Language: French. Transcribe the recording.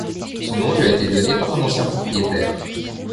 Son nom lui a été donné par un ancien propriétaire.